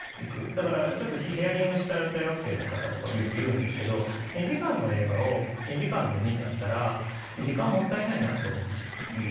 だからヒアリングした大学生とかもよく言うんですけど２時間の映画を２時間で見ちゃったら時間がもったいないなと思っちゃう。